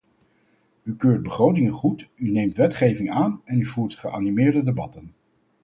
U keurt begrotingen goed, u neemt wetgeving aan en u voert geanimeerde debatten.